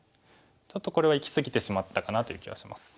ちょっとこれはいき過ぎてしまったかなという気はします。